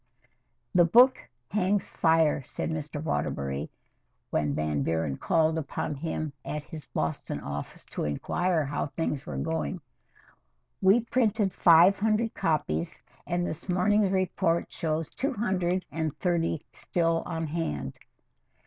"The book hangs fire," said Mr. Waterbury when Van Buren called upon him at his Boston office to inquire how things were going. "We printed five hundred copies, and this morning's report shows two hundred and thirty still on hand.